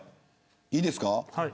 いいですか。